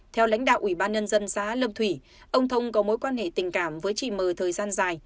theo lãnh đạo ủy ban nhân dân xã lâm thủy ông thông có mối quan hệ tình cảm với chị mờ thời gian dài